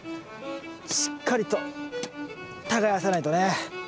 しっかりと耕さないとね。